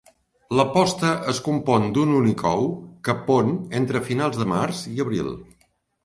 La posta es compon d'un únic ou, que pon entre finals de març i abril.